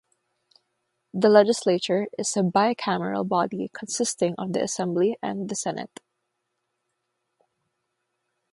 The Legislature is a bicameral body consisting of the Assembly and the Senate.